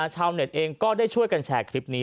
ชาวเน็ตเองก็ได้ช่วยกันแชร์คลิปนี้